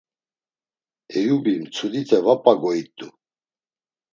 Eyubi mtsudite va p̌a goit̆u.